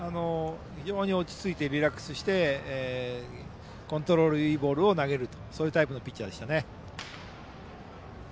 非常に落ち着いてリラックスしてコントロールいいボールを投げるタイプのピッチャーでした。